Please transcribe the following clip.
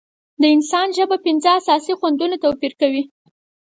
د انسان ژبه پنځه اساسي خوندونه توپیر کوي.